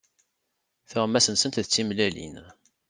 Tuɣmas-nsent d timellalin.